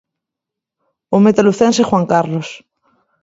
O meta lucense Juan Carlos.